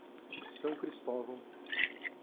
São Cristóvão